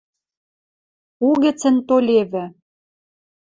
Угӹцӹн толевӹ